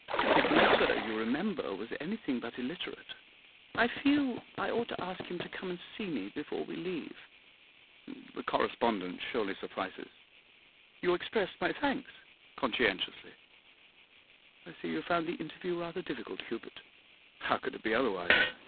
'His letter, you remember, was anything but illiterate. I feel I ought to ask him to come and see me before we leave.' 'The correspondence surely suffices.' 'You expressed my thanks?' 'Conscientiously.' 'I see you found the interview rather difficult, Hubert.' 'How could it be otherwise?